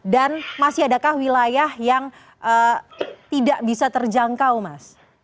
dan masih adakah wilayah yang tidak bisa terjangkau mas